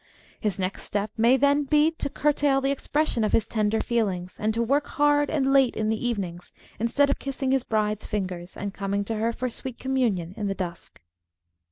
His next step may then be to curtail the expression of his tender feelings, and to work hard and late in the evenings instead of kissing his bride's fingers and coming to her for sweet communion in the dusk.